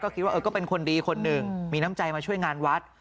คิดว่าก็เป็นคนดีคนหนึ่งมีน้ำใจมาช่วยงานวัด